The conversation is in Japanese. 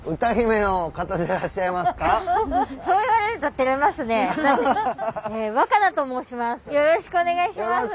よろしくお願いします。